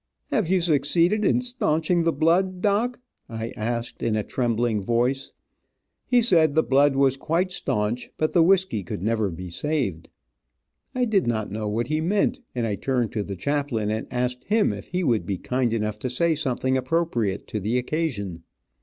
"Have you succeeded in staunching the blood, doc?" I asked, in a trembling voice. He said the blood was quite staunch, but the whisky could never be saved. I did not know what he meant, and I turned to the chaplain and asked him if he wouldn't be kind enough to say something appropriate to the occasion.